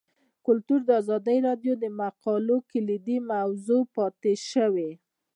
کلتور د ازادي راډیو د مقالو کلیدي موضوع پاتې شوی.